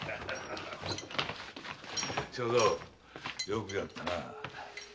庄三よくやったな。